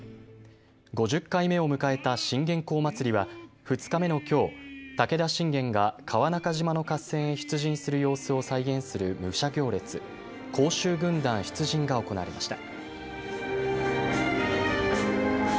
５０回目を迎えた信玄公祭りは２日目のきょう、武田信玄が川中島の合戦へ出陣する様子を再現する武者行列、甲州軍団出陣が行われました。